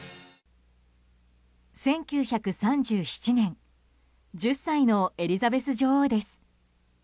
１９３７年１０歳のエリザベス女王です。